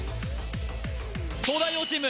東大王チーム